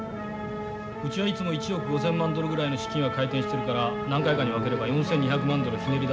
うちはいつも１億５，０００万ドルぐらいの資金は回転してるから何回かに分ければ４，２００万ドルひねり出すぐらい訳はない。